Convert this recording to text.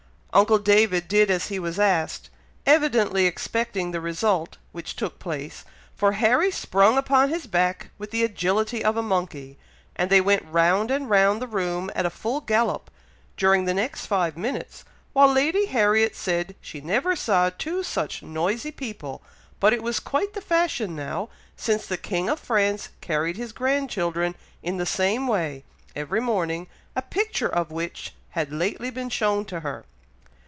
Uncle David did as he was asked, evidently expecting the result, which took place, for Harry sprung upon his back with the agility of a monkey, and they went round and round the room at a full gallop, during the next five minutes, while Lady Harriet said she never saw two such noisy people, but it was quite the fashion now, since the king of France carried his grandchildren, in the same way, every morning, a picture of which had lately been shown to her.